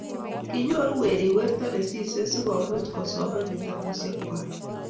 kinyoru werik weto nesisei sikomuch kusoman kitabusiek kwach